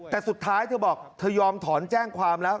แต่สุดท้ายเธอบอกเธอยอมถอนแจ้งความแล้ว